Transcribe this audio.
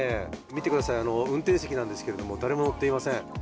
見てください運転席なんですけれども誰も乗っていません。